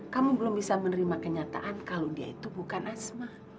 kamu belum bisa menerima kenyataan kalau dia itu bukan asma